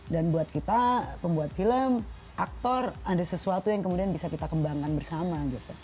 dan buat kita pembuat film aktor ada sesuatu yang kemudian bisa kita kembangkan bersama gitu